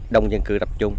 đông dân cư đập trung